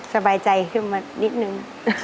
สบายใจขึ้นมานิดนึง